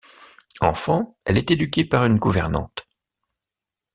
Enfant, elle est éduquée par une gouvernante.